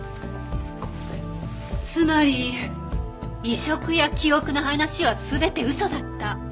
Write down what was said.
つまり移植や記憶の話は全て嘘だった。